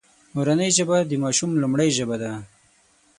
مورنۍ ژبه د ماشوم لومړۍ ژبه ده